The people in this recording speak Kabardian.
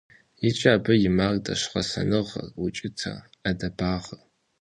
ИкӀи абы и мардэщ гъэсэныгъэр, укӀытэр, Ӏэдэбагъыр.